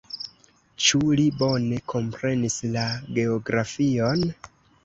Ĉu li bone komprenis la geografion?